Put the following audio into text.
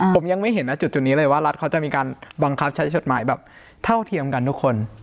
ผมยังไม่เห็นนะจุดนี้เลยว่ารัฐเขาจะมีการบังคับใช้จดหมายแบบเท่าเทียมกันทุกคน